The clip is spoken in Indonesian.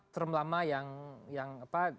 term lama yang